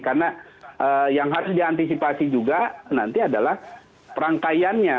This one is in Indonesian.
karena yang harus diantisipasi juga nanti adalah perangkaiannya